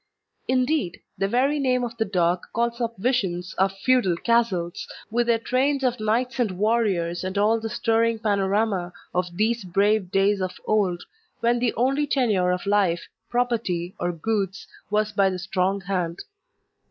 Indeed, the very name of the dog calls up visions of feudal castles, with their trains of knights and warriors and all the stirring panorama of these brave days of old, when the only tenure of life, property, or goods was by the strong hand.